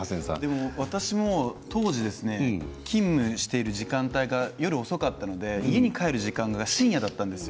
私も当時、勤務している時間帯が夜遅かったので家に帰る時間が深夜だったんです。